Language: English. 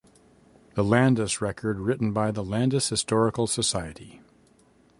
The Landis Record written by the Landis Historical Society.